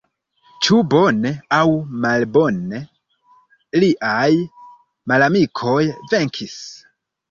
Ĉu bone aŭ malbone, liaj malamikoj venkis.